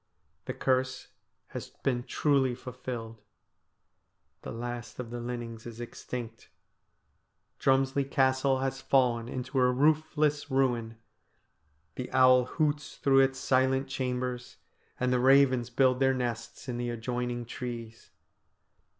The curse has been truly fulfilled. The last of the Linnings is extinct. Drumslie Castle has fallen into a roofless ruin, the owl hoots through its silent chambers, and the ravens build their nests in the adjoining trees.